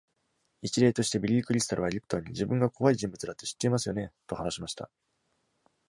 一例として、ビリー・クリスタルはリプトンに「自分が怖い人物だって知っていますよね？」と話しました。